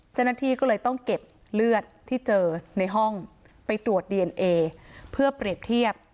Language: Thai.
เจ้าหน้าที่ก็เลยต้องเก็บเลือดที่เจอในห้องไปตรวจดีเอนเอเพื่อเปรียบเทียบ